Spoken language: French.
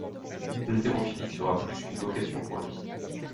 L'haltérophilie sera plus qu'une vocation pour lui.